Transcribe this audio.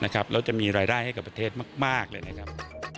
แล้วจะมีรายได้ให้กับประเทศมากเลยนะครับ